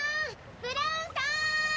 ブラウンさん！